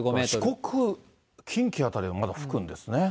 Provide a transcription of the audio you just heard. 四国、近畿辺りはまだ吹くんですね。